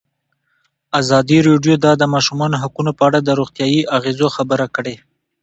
ازادي راډیو د د ماشومانو حقونه په اړه د روغتیایي اغېزو خبره کړې.